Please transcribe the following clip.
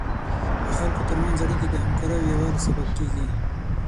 د خلکو تر منځ اړیکې د همکارۍ او یووالي سبب کیږي.